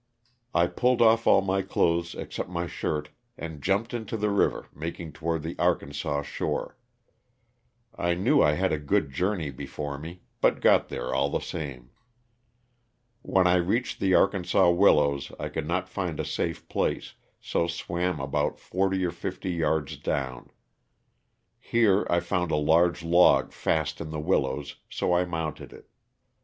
I pulled off all my clothes except my shirt and jumped into the river, making toward the Arkansas shore. I knew I had a good journey before me, but got there all the same. When I reached the Arkansas willows I could not fiud a safe place, so swam about forty or fifty yards down. Here I found a large log fast ia the willows so I mounted it.